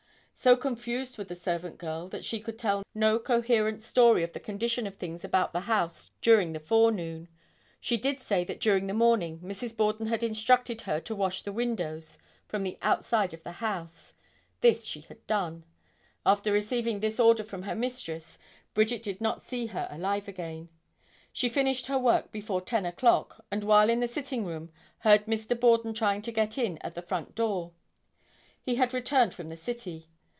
So confused was the servant girl that she could tell no coherent story of the condition of things about the house during the forenoon. She did say that during the morning, Mrs. Borden had instructed her to wash the windows from the outside of the house. This she had done. After receiving this order from her mistress, Bridget did not see her alive again. She finished her work before 10 o'clock, and while in the sitting room heard Mr. Borden trying to get in at the front door. He had returned from the city.